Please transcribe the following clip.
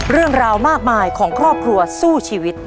เรื่องราวมากมายของครอบครัวสู้ชีวิต